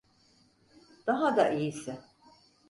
Daha da iyisi.